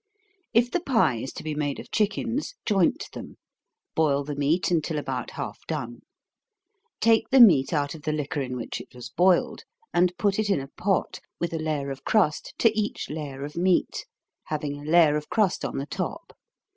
_ If the pie is to be made of chickens, joint them boil the meat until about half done. Take the meat out of the liquor in which it was boiled, and put it in a pot, with a layer of crust to each layer of meat, having a layer of crust on the top.